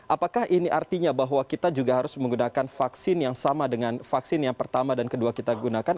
apakah ini artinya bahwa kita juga harus menggunakan vaksin yang sama dengan vaksin yang pertama dan kedua kita gunakan